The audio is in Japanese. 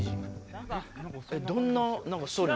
どんなストーリー？